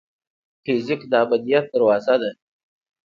فزیک د ابدیت دروازه ده.